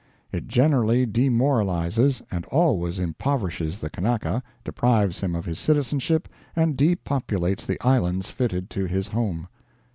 It generally demoralizes and always impoverishes the Kanaka, deprives him of his citizenship, and depopulates the islands fitted to his home.